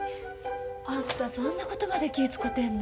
あんたそんなことまで気ぃ遣てんの。